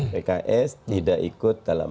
pks tidak ikut dalam